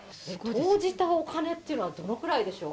投じたお金っていうのはどれぐらいでしょう？